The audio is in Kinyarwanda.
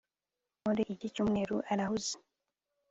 Muri iki cyumweru arahuze